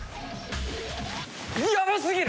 ヤバ過ぎる！